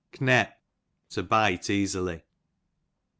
Knep, to bite easily.